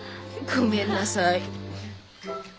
ごめんなさい。